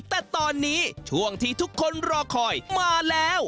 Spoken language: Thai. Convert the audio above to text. แต่ตอนนี้ช่วงที่ทุกคนรอคอยมาแล้ว